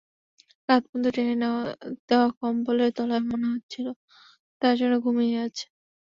কাঁধ পর্যন্ত টেনে দেওয়া কম্বলের তলায় মনে হচ্ছিল তারা যেন ঘুমিয়েই আছে।